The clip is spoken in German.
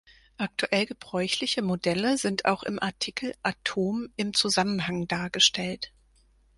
Aktuell gebräuchliche Modelle sind auch im Artikel Atom im Zusammenhang dargestellt.